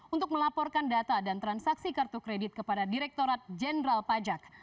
untuk melaporkan data dan transaksi kartu kredit kepada direktorat jenderal pajak